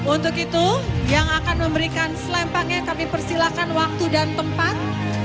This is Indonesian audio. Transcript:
untuk itu yang akan memberikan selempaknya kami persilahkan waktu dan tempat